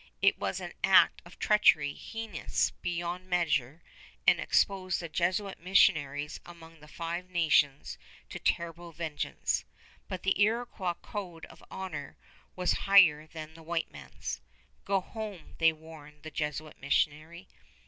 It was an act of treachery heinous beyond measure and exposed the Jesuit missionaries among the Five Nations to terrible vengeance; but the Iroquois code of honor was higher than the white man's. "Go home," they warned the Jesuit missionary.